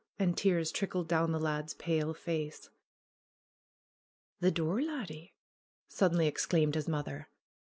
And tears trickled down the lad's pale face. "The door, laddie!" suddenly exclaimed his mother.